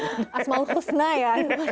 asmaul khusna ya